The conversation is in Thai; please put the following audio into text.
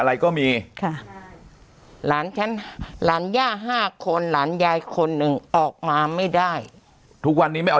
เหลือเหลือเหลือเหลือเหลือเหลือเหลือเหลือ